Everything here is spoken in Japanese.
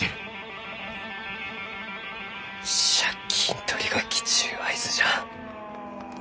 借金取りが来ちゅう合図じゃ。